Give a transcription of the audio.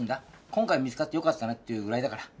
今回見つかってよかったねっていうぐらいだから。